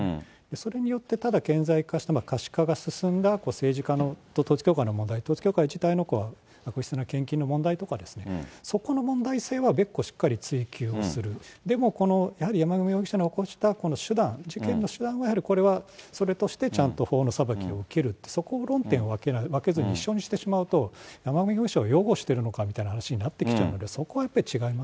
それによってただ顕在化した、可視化が進んだ、政治家と統一教会の問題、統一教会自体の悪質な献金の問題とか、そこの問題性は別個しっかり追及する、でもこのやはり山上容疑者の起こした、この手段、事件の手段はやはりこれはそれとしてちゃんと法の裁きを受ける、そこの論点を分けずに一緒にしてしまうと、山上容疑者を擁護しているのかみたいな話になってきちゃうので、そこはやっぱり違いま